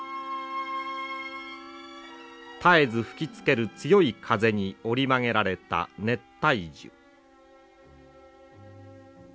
絶えず吹きつける強い風に折り曲げられた熱帯樹。